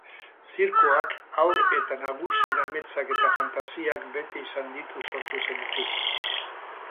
Zirkoak haur eta nagusien ametsak eta fantasiak bete izan ditu sortu zenetik.